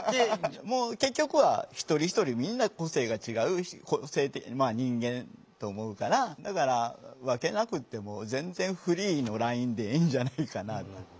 結局は一人一人みんな個性が違う人間と思うからだから分けなくっても全然フリーのラインでいいんじゃないかな。